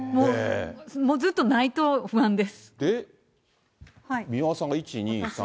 もう、ずっとないと不安です。